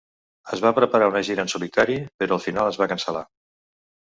Es va preparar una gira en solitari, però al final es va cancel·lar.